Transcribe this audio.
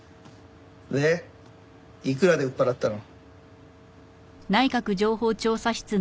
でいくらで売っ払ったの？